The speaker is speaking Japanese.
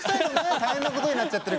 大変なことになってる。